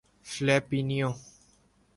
Filipino